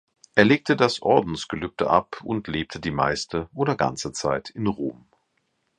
Er legte das Ordensgelübde ab und lebte die meiste oder ganze Zeit in Rom.